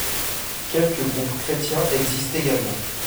Quelques groupes chrétiens existent également.